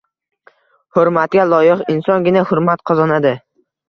Hurmatga loyiq insongina hurmat qozonadi.